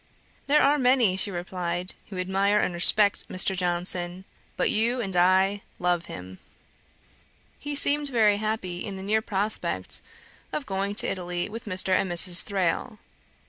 'There are many (she replied) who admire and respect Mr. Johnson; but you and I love him.' He seemed very happy in the near prospect of going to Italy with Mr. and Mrs. Thrale.